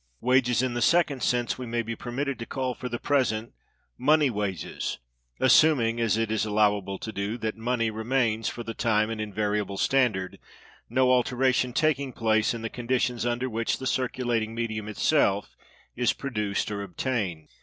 Wages in the second sense we may be permitted to call, for the present, money wages; assuming, as it is allowable to do, that money remains for the time an invariable standard, no alteration taking place in the conditions under which the circulating medium itself is produced or obtained.